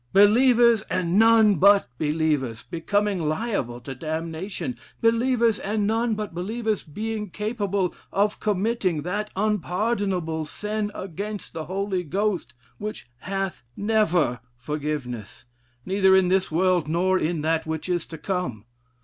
Believers, and none but believers, becoming liable to damnation; believers and none but believers, being capable of committing that unpardonable sin against the Holy Ghost, which hath never forgiveness, neither in this world nor in that which is to come.